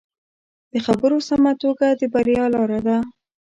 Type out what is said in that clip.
د خبرو سمه توګه د بریا لاره ده